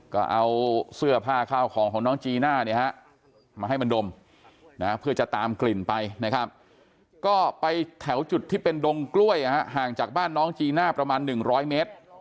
ก็เอาเสื้อผ้าข้าวของของน้องจีน่าเนี่ยฮะมาให้มันดมเพื่อจะตามกลิ่นไปนะครับก็ไปแถวจุดที่เป็นดงกล้วยห่างจากบ้านน้องจีน่าประมาณ๑๐๐เมตร